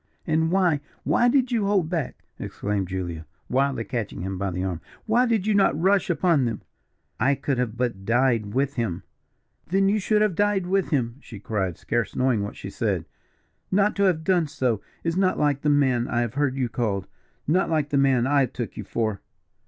"And why, why did you hold back?" exclaimed Julia, wildly catching him by the arm, "why did you not rush upon them?" "I could but have died with him." "Then should you have died with him," she cried, scarce knowing what she said. "Not to have done so, is not like the man I have heard you called not like the man I took you for."